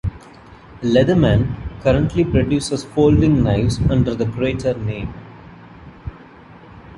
Leatherman currently produces folding knives under the Crater name.